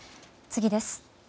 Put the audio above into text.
次です。